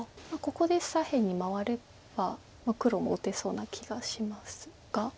ここで左辺に回れば黒も打てそうな気がしますが。